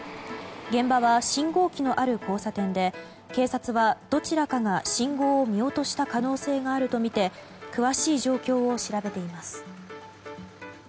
現場は信号機のある交差点で警察はどちらかが信号を見落とした可能性があるとみて詳しい状況を調べています。